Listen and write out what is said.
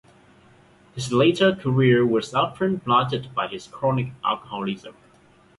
His later career was often blighted by his chronic alcoholism.